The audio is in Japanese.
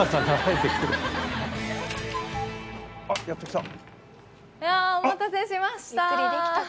いやお待たせしました。